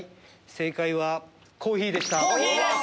正解はコーヒーでした。